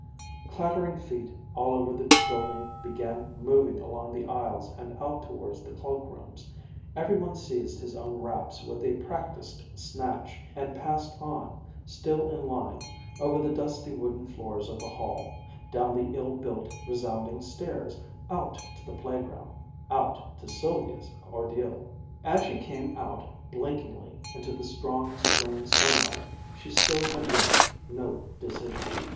Clattering feet all over the building began moving along the aisles and out towards the cloakrooms. Every one seized his own wraps with a practised snatch, and passed on, still in line, over the dusty wooden floors of the hall, down the ill built, resounding stairs, out to the playground out to Sylvia's ordeal. As she came out blinkingly into the strong spring sunlight, she still had reached no decision.